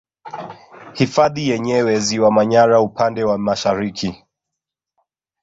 Hifadhi yenyewe Ziwa Manyara upande wa Mashariki